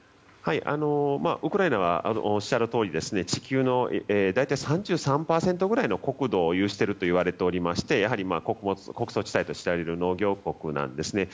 ウクライナはおっしゃるとおり地球の大体３３％ぐらいの有しているといわれておりまして穀倉地帯として知られる農業国なんです。